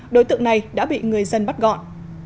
đối tượng này đã bị người dân bắt gọn